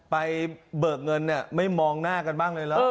เบิกเงินเนี่ยไม่มองหน้ากันบ้างเลยแล้ว